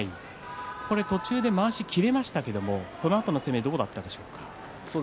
途中でまわしが切れましたけれども、そのあとの攻めどうだったですか。